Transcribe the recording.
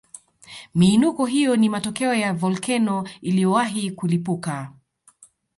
Miinuko hiyo ni matokeo ya volkeno iliyowahi kulipuka